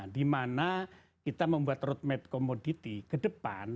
dimana kita membuat roadmap komoditi ke depan